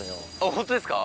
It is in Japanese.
ホントですか。